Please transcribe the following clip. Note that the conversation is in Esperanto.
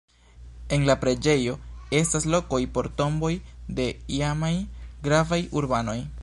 En la preĝejo estas lokoj por tomboj de iamaj gravaj urbanoj.